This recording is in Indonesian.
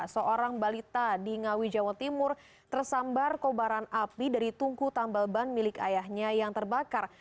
seorang balita di ngawi jawa timur tersambar kobaran api dari tungku tambal ban milik ayahnya yang terbakar